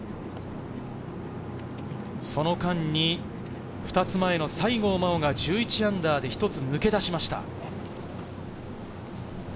その間に２つ前の西郷真央が−１１で一つ抜け出しました。